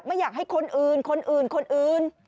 ไม่อยากให้คนอื่นคนอื่นคนอื่น